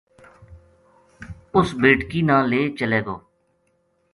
اس بیٹکی نا لے چلے گو